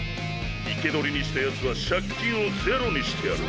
生け捕りにしたヤツは借金をゼロにしてやる。